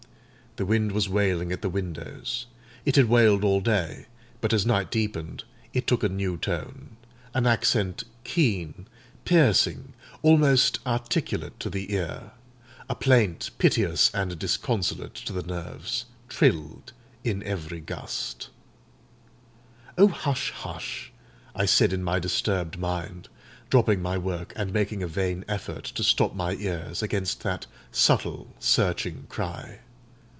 The wind was wailing at the windows; it had wailed all day; but, as night deepened, it took a new tone—an accent keen, piercing, almost articulate to the ear; a plaint, piteous and disconsolate to the nerves, trilled in every gust. "Oh, hush! hush!" I said in my disturbed mind, dropping my work, and making a vain effort to stop my ears against that subtle, searching cry.